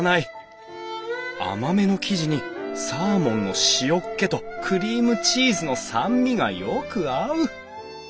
甘めの生地にサーモンの塩っ気とクリームチーズの酸味がよく合う！